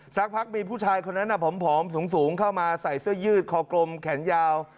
สักพักมีผู้ชายคนนั้นผอมสูงเข้ามาใส่เสื้อยืดคอกลมแขนยาว